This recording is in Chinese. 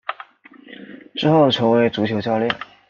之后成为足球教练。